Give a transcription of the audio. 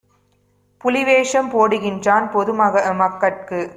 புலிவேஷம் போடுகின்றான்! பொதுமக் கட்குப்